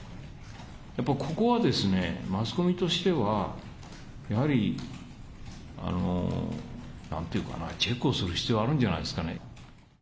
やっぱここはですね、マスコミとしては、やはり、なんていうかな、チェックする必要があるんじゃないですかね。